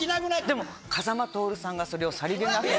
でも、風間トオルさんがそれをさりげなく。